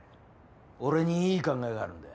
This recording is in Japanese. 俺に良い考えがあるんだ。